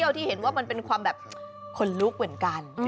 ที่เห็นว่ามันเป็นความแบบขนลุกเหมือนกัน